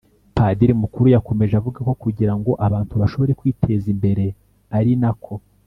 padiri mukuru yakomeje avuga ko kugira ngo abantu bashobore kwiteza imbere ari nako